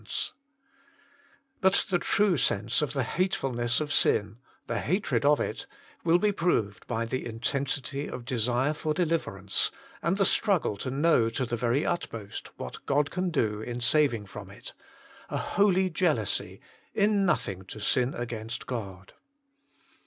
68 THE MINISTRY OF INTERCESSION But the true sense of the hatefulness of sin, the hatred of it, will be proved by the intensity of desire for deliverance, and the struggle to know to the very utmost what God can do in saving from it a holy jealousy, in nothing to sin against God.